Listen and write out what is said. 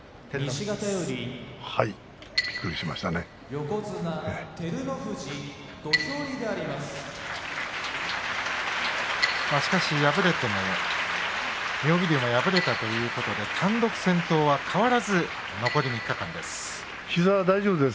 しかし敗れても妙義龍も敗れたということで単独先頭は変わらず残り３日間です。